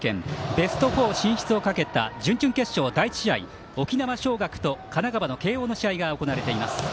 ベスト４進出をかけた準々決勝第１試合沖縄尚学と、神奈川慶応の試合が行われています。